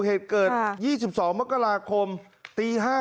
เหตุเกิด๒๒มกราคมตี๕